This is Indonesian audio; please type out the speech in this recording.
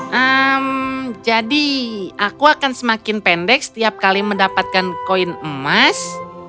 hmm jadi aku akan semakin pendek setiap kali mendapatkan koin emas